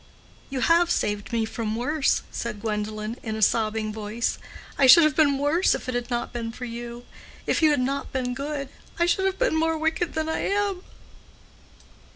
"You have saved me from worse," said Gwendolen, in a sobbing voice. "I should have been worse if it had not been for you. If you had not been good, I should have been more wicked than I am."